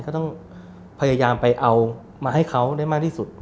ก็ต้องพยายามไปเอามาให้เขาได้มากที่สุด